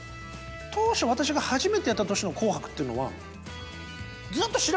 当初私が初めてやった年の『紅白』っていうのは。